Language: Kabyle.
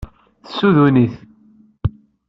Tessudun-it.